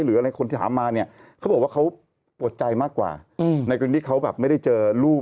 หรืออะไรคนที่ถามมาเนี่ยเขาบอกว่าเขาปวดใจมากกว่าในกรณีที่เขาแบบไม่ได้เจอลูก